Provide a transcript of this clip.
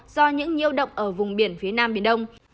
do những nhiễu động ở vùng biển phía nam biển đông